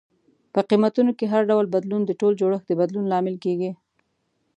په قیمتونو کې هر ډول بدلون د ټول جوړښت د بدلون لامل کیږي.